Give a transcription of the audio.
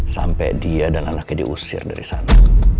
sampai dia dan anaknya diusir dari sana